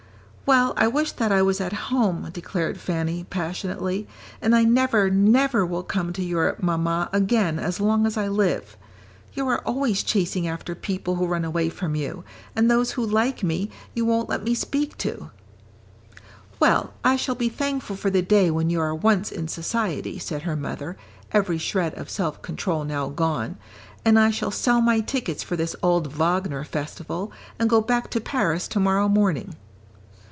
"Well, I wish that I was at home," declared Fanny, passionately, "and I never, never will come to Europe, Mamma, again as long as I live. You are always chasing after people who run away from you, and those who like me, you won't let me speak to." "Well, I shall be thankful for the day when you are once in society," said her mother, every shred of self control now gone; "and I shall sell my tickets for this old Wagner festival, and go back to Paris to morrow morning."